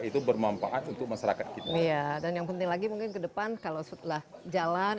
itu bermanfaat untuk masyarakat kita dan yang penting lagi mungkin ke depan kalau setelah jalan